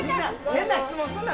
変な質問すんな！